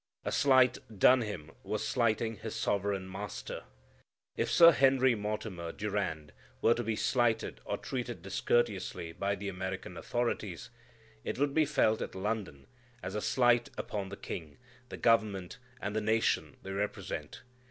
A slight done him was slighting his sovereign Master. If Sir Henry Mortimer Durand were to be slighted or treated discourteously by the American authorities, it would be felt at London as a slight upon the King, the government, and the nation they represent.